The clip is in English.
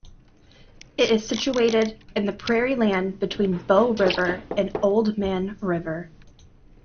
It is situated in the prairie land between Bow River and Oldman River.